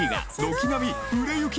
軒並み売れ行き